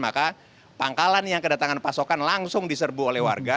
maka pangkalan yang kedatangan pasokan langsung diserbu oleh warga